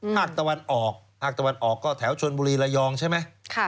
ภาคตะวันออกภาคตะวันออกก็แถวชนบุรีระยองใช่ไหม